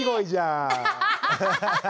アハハハハ！